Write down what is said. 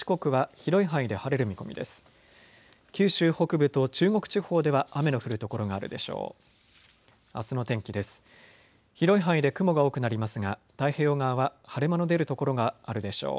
広い範囲で雲が多くなりますが太平洋側は晴れ間の出る所があるでしょう。